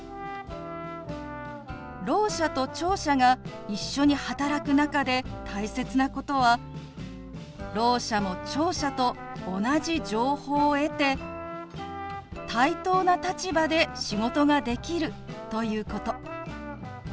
ろう者と聴者が一緒に働く中で大切なことはろう者も聴者と同じ情報を得て対等な立場で仕事ができるということ。